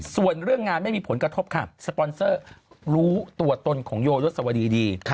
ส่วนเรื่องงานไม่มีผลกระทบค่ะสปอนเซอร์รู้ตัวตนของโยยศวดีดี